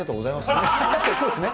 確かにそうですね。